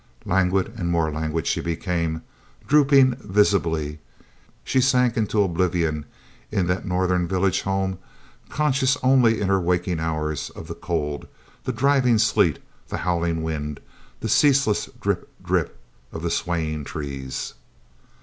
Languid and more languid she became; drooping visibly, she sank into oblivion in that northern village home, conscious only in her waking hours of the cold, the driving sleet, the howling wind, the ceaseless drip, drip of the swaying trees.